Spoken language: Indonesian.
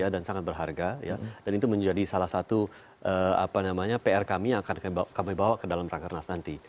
dan sangat berharga dan itu menjadi salah satu pr kami yang akan kami bawa ke dalam rangkernas nanti